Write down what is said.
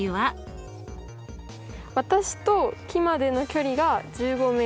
私と木までの距離が１５ｍ。